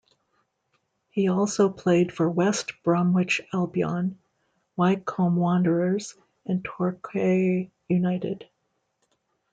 He also played for West Bromwich Albion, Wycombe Wanderers and Torquay United.